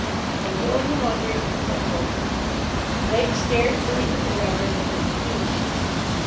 "I was only wondering," said the Reverend. Blake stared first at the Reverend and then at me.